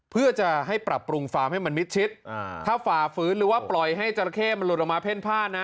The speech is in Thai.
เพื่อจะให้ปรับปรุงฟาร์มให้มันมิดชิดถ้าฝ่าฝืนหรือว่าปล่อยให้จราเข้มันหลุดออกมาเพ่นผ้านะ